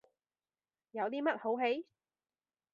有啲乜好戯？